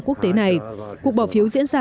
quốc tế này cuộc bỏ phiếu diễn ra